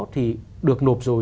thì được nộp rồi